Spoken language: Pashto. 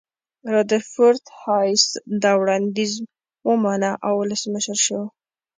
رادرفورد هایس دا وړاندیز ومانه او ولسمشر شو.